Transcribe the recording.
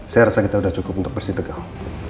saya rasa kita sudah cukup untuk bersih tegal